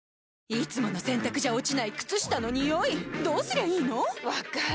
いつもの洗たくじゃ落ちない靴下のニオイどうすりゃいいの⁉分かる。